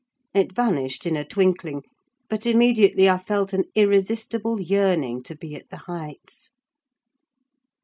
It vanished in a twinkling; but immediately I felt an irresistible yearning to be at the Heights.